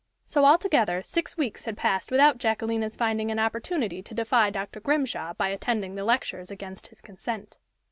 So, altogether, six weeks had passed without Jacquelina's finding an opportunity to defy Dr. Grimshaw by attending the lectures against his consent.